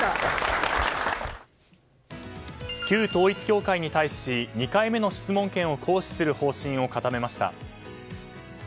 旧統一教会に対し２回目の質問権を行使する方針を固めました。